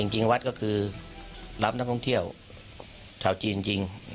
จริงวัดก็คือรับนักท่องเที่ยวชาวจีนจริง